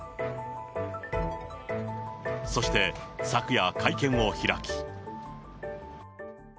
そして昨夜、会見を開き。